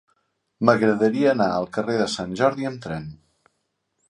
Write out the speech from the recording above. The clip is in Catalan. M'agradaria anar al carrer de Sant Jordi amb tren.